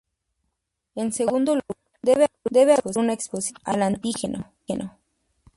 En segundo lugar, debe haber una exposición al antígeno.